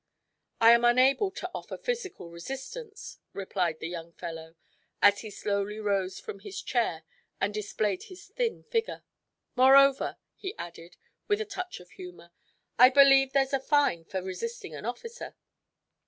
"I am unable to offer physical resistance," replied the young fellow, as he slowly rose from his chair and displayed his thin figure. "Moreover," he added, with a touch of humor, "I believe there's a fine for resisting an officer.